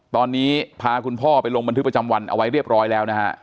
ตอนนี้พาคุณพ่อไปลงบันทึกประจำวันเอาไว้เรียบร้อยแล้วนะฮะ